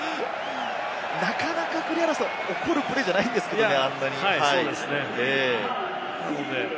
なかなか起こるプレーじゃないんですけれどもね。